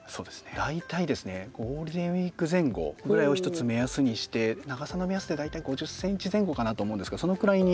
大体ゴールデンウィーク前後ぐらいを一つ目安にして長さの目安で大体５０ｃｍ前後かなと思うんですがそのくらいに。